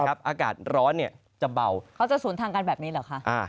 อากาศร้อนจะเบาเขาจะสวนทางกันแบบนี้เหรอคะ